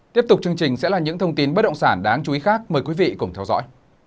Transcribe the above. tiếp tục chương trình sẽ là những thông tin bất động sản đáng chú ý khác mời quý vị cùng theo dõi